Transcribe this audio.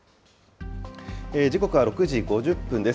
時刻は６時５０分です。